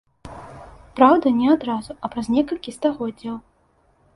Праўда, не адразу, а праз некалькі стагоддзяў.